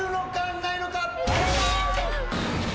ないのか？